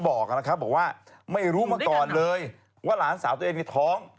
บอกว่าไม่รู้มาก่อนเลยว่าหลานสาวตัวเองมีท้อง